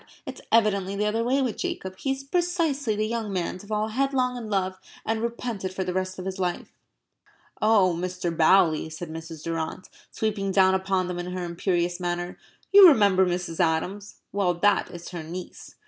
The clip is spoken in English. It's evidently the other way with Jacob. He is precisely the young man to fall headlong in love and repent it for the rest of his life." "Oh, Mr. Bowley," said Mrs. Durrant, sweeping down upon them in her imperious manner, "you remember Mrs. Adams? Well, that is her niece."